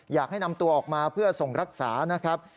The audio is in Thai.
อยากให้นำตัวออกมาเพื่อส่งรักษานะครับ